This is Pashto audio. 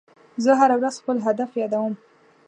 زه هره ورځ خپل هدف یادوم.